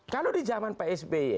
kalau di zaman pak sby